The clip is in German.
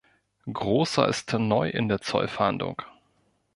Grosser ist neu in der Zollfahndung.